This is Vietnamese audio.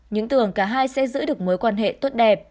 những tưởng cả hai sẽ giữ được mối quan hệ tốt đẹp